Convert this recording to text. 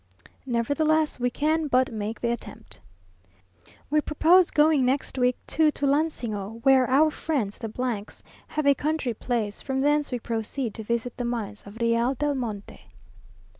Nevertheless we can but make the attempt. We propose going next week to Tulansingo, where our friends the have a country place, from thence we proceed to visit the mines of Real del Monte.